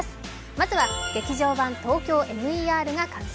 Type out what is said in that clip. まずは「劇場版ＴＯＫＹＯＭＥＲ」が完成。